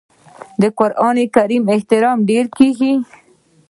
د قران کریم احترام ډیر کیږي.